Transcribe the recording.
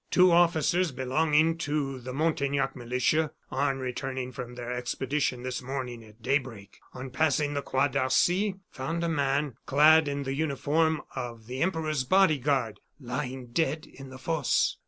Two officers belonging to the Montaignac militia, on returning from their expedition this morning at daybreak, on passing the Croix d'Arcy, found a man, clad in the uniform of the Emperor's body guard, lying dead in the fosse."